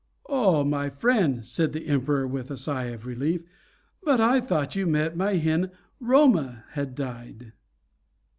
"Oh, my friend," said the Emperor, with a sigh of relief, "but I thought you meant that my hen 'Roma' had died."